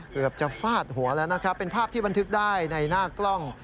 เกือบจะฟาดหัวแล้วนะครับเป็นภาพที่บันทึกได้ในหน้ากล้อง